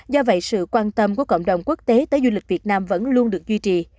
do vậy sự quan tâm của cộng đồng quốc tế tới du lịch việt nam vẫn luôn được duy trì